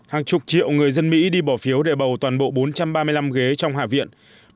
hàng chục triệu người dân mỹ đi bỏ phiếu để bầu toàn bộ bốn trăm ba mươi năm ghế trong hạ viện